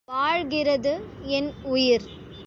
வாழ்கிறது என் உயிர்.